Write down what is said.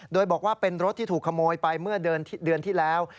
โดยบอกว่าเป็นรถที่ถูกขโมยไปเมื่อเดือนที่แล้ว